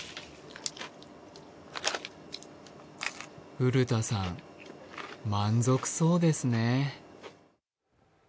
古田さん、満足そうですね。